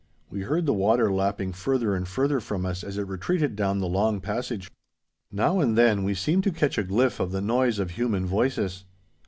We heard the water lapping further and further from us as it retreated down the long passage. Now and then we seemed to catch a gliff of the noise of human voices.